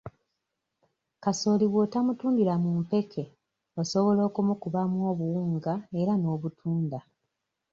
Kasooli bw'otamutundira mu mpeke osobola okumukubamu obuwunga era n'obutunda.